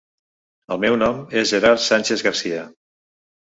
El meu nom és Gerard Sánchez García.